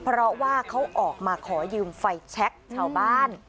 เพราะว่าเขาออกมาขอยืมไฟแชคชาวบ้าน